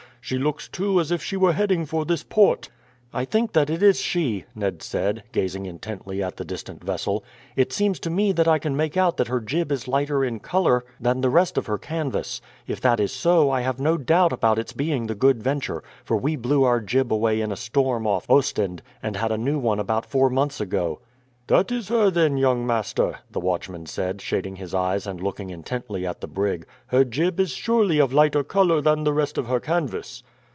She looks, too, as if she were heading for this port." "I think that is she," Ned said, gazing intently at the distant vessel. "It seems to me that I can make out that her jib is lighter in colour than the rest of her canvas. If that is so I have no doubt about its being the Good Venture, for we blew our jib away in a storm off Ostend, and had a new one about four months ago." "That is her then, young master," the watchman said, shading his eyes and looking intently at the brig. "Her jib is surely of lighter colour than the rest of her canvas."